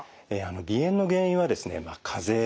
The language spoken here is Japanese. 鼻炎の原因はですね風邪ですね。